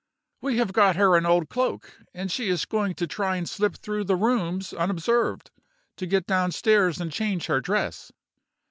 We have got her an old cloak, and she is going to try and slip through the rooms unobserved, to get downstairs and change her dress.